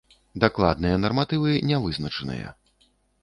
Дакладныя нарматывы не вызначаныя.